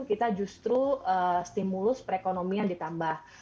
kita justru stimulus perekonomian ditambah